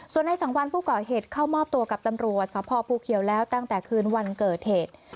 ส่วนในสังวันผู้ก่อเหตุเข้ามอบตัวกับตำรวจสภภูเขียวแล้วตั้งแต่คืนวันเกิดเหตุ